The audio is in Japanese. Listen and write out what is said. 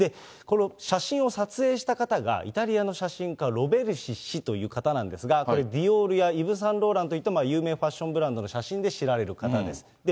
この写真を撮影した方がイタリアの写真家、ロベルシ氏という方なんですが、ディオールやイヴ・サンローランの有名ファッションブランドの写真で知られる方です。